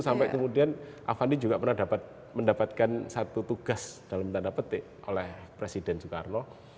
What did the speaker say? sampai kemudian avandi juga pernah mendapatkan satu tugas dalam tanda petik oleh presiden soekarno